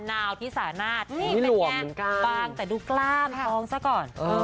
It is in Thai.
นาวที่สามารถหลวมเหมือนกันบางแต่ดูกล้ามฟองซะก่อน